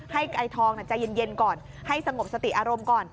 ให้ไอ้ทองใจเย็นก่อนให้สงบสติอารมณ์ก่อน